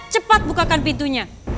cepat bukakan pintunya